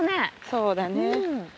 そうだね。